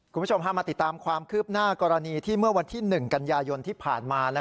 คุณผู้ชมพามาติดตามความคืบหน้ากรณีที่เมื่อวันที่๑กันยายนที่ผ่านมา